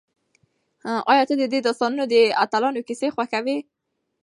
ایا ته د دې داستان د اتلانو کیسې خوښوې؟